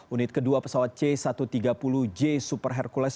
unit kedua pesawat c satu ratus tiga puluh j super hercules